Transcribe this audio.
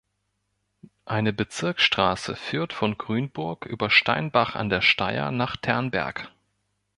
Eine Bezirksstraße führt von Grünburg über Steinbach an der Steyr nach Ternberg.